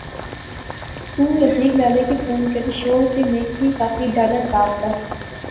تو رفیق لالے کی فون کری شوڑ کہ میں کی کافی ڈاھڈا تپ دا